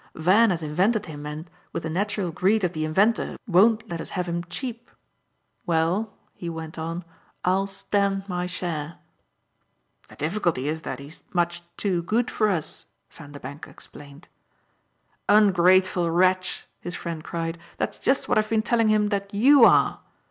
"Van has invented him and, with the natural greed of the inventor, won't let us have him cheap. Well," he went on, "I'll 'stand' my share." "The difficulty is that he's so much too good for us," Vanderbank explained. "Ungrateful wretch," his friend cried, "that's just what I've been telling him that YOU are!